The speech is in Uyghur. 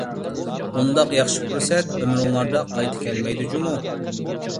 بۇنداق ياخشى پۇرسەت ئۆمرۈڭلاردا قايتا كەلمەيدۇ جۇمۇ!